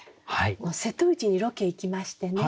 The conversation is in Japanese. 瀬戸内にロケ行きましてね